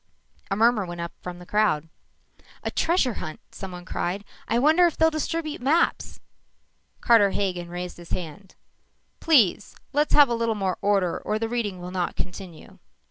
_" A murmur went up from the crowd. "A treasure hunt!" someone cried. "I wonder if they'll distribute maps!" Carter Hagen raised his hand. "Please! Let's have a little more order or the reading will not continue."